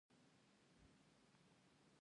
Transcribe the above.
آیا خلک د لوبو لیدلو ته نه ځي؟